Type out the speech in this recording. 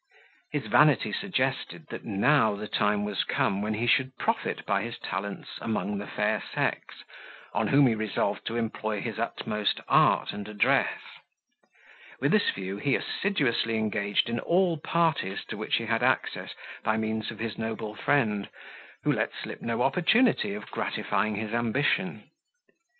His vanity suggested, that now the time was come when he should profit by his talents among the fair sex, on whom he resolved to employ his utmost art and address. With this view he assiduously engaged in all parties to which he had access by means of his noble friend, who let slip no opportunity of gratifying his ambition.